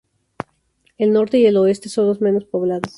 El norte y el oeste son los menos poblados.